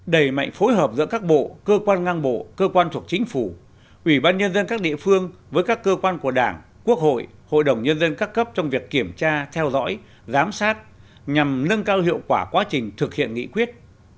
đẩy mạnh phối hợp giữa các bộ cơ quan ngang bộ cơ quan thuộc chính phủ ủy ban nhân dân các địa phương với các cơ quan của đảng quốc hội hội đồng nhân dân các cấp trong việc kiểm tra theo dõi giám sát nhằm nâng cao hiệu quả quá trình thực hiện nghị quyết